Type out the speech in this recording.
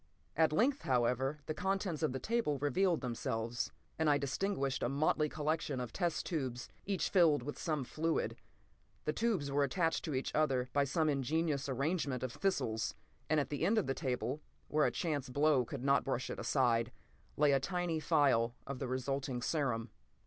At length, however, the contents of the table revealed themselves, and I distinguished a motley collection of test tubes, each filled with some fluid. The tubes were attached to each other by some ingenious arrangement of thistles, and at the end of the table, where a chance blow could not brush it aside, lay a tiny phial of the resulting serum.